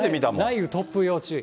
雷雨、突風、要注意。